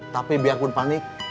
tapi biar aku panik